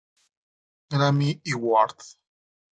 Grammy Award.